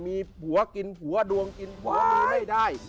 มีผัวกินผัวดวงกินผัวมีไม่ได้